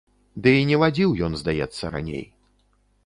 Ды і не вадзіў ён здаецца раней.